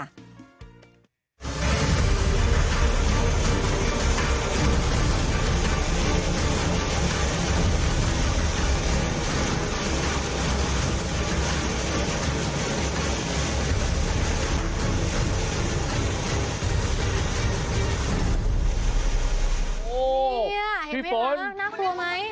โอ้เห็นไหมครับน่ากลัวไหม